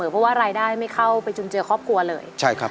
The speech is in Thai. เพราะว่ารายได้ไม่เข้าไปจุนเจือครอบครัวเลย